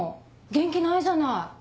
元気ないじゃない。